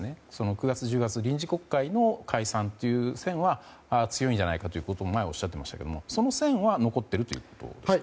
９月、１０月臨時国会の解散という線は強いんじゃないかということを前おっしゃっていましたけどその線は残っているということですか？